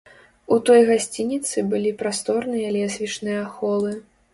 У той гасцініцы былі прасторныя лесвічныя холы.